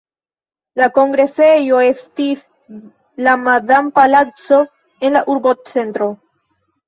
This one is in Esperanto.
La kongresejo estis la Madam-palaco en la urbocentro.